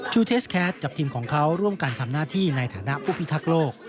เทสแคสกับทีมของเขาร่วมกันทำหน้าที่ในฐานะผู้พิทักษ์โลก